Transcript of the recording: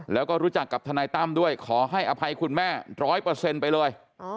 แล้วก็รู้จักกับทนายตั้มด้วยขอให้อภัยคุณแม่๑๐๐ไปเลย